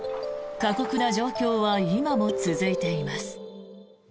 過酷な状況は今も続いています。